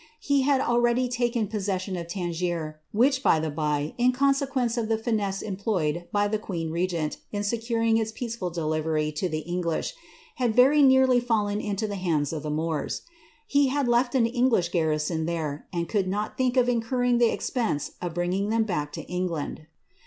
He had already taken pos session of Tangier, which, by the bye, in consequence of the finesse employed by the queen regent in securing its peaceful delivery to tlie English, had very nearly fallen into the hands of the Moors. He had left an English garrison there, and could not think of incurring the ex pense of bringing them back to England.